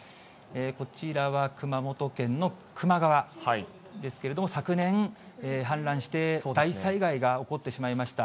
こちらは熊本県の球磨川ですけれども、昨年、氾濫して大災害が起こってしまいました。